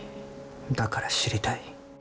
だから、知りたい。